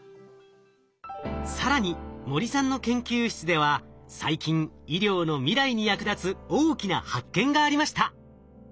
更に森さんの研究室では最近医療の未来に役立つ大きな発見がありました。